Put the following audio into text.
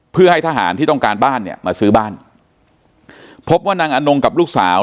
เพื่อให้ทหารที่ต้องการบ้านเนี่ยมาซื้อบ้านพบว่านางอนงกับลูกสาว